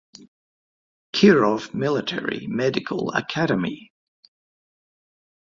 Kirov Military Medical Academy.